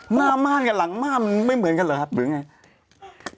ม่าม่านกับหลังม่านมันไม่เหมือนกันเหรอครับหรือไง